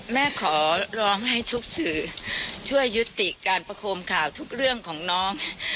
แม่ขอร้องให้ทุกสื่อช่วยยุติการประโคมข่าวทุกเรื่องของน้อง